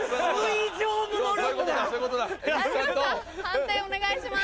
判定お願いします。